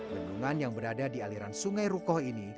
bendungan yang berada di aliran sungai rukoh ini